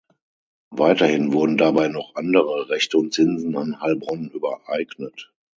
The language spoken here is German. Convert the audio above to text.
Weiterhin wurden dabei noch andere Rechte und Zinsen an Heilbronn übereignet.